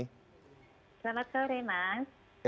selamat sore mas